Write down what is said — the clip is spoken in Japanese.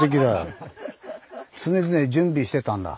常々準備してたんだ。